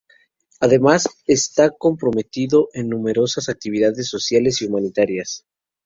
Además está comprometido en numerosas actividades sociales y humanitarias.